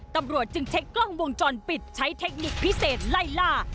ตำรวจจึงใช้กล้องวงจรปิดใช้เทคนิคพิเศษไล่ล่า